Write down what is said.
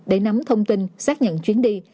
để nắm thông tin xác nhận chuyến đi